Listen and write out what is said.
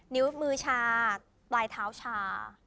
นิ้วมือชาปลายเท้าชา